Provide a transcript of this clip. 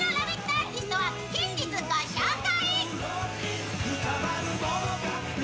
アーティストは近日ご紹介。